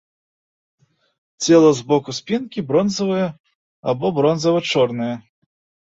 Цела з боку спінкі бронзавае або бронзава-чорнае.